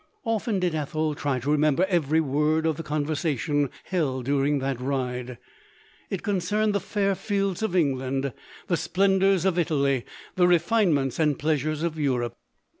Often did Ethel try to remember every word of the conversation held during that ride. It con cerned the fair fields of England, the splendours of Italy, the refinements and pleasures of Europe.